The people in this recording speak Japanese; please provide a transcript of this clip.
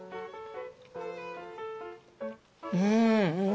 うん。